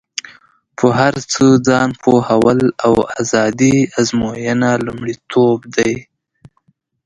په هر څه ځان پوهول او ازادي ازموینه یې لومړیتوب دی.